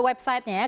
ada websitenya ya